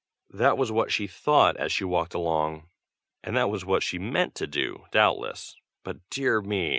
That was what she thought as she walked along, and that was what she meant to do, doubtless; but dear me!